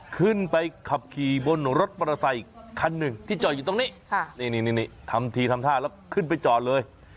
ขึ้นไปขับขี่บนรถมอเตอร์ไซคันหนึ่งที่จอดอยู่ตรงนี้นี่ทำทีทำท่าแล้วขึ้นไปจอดเลย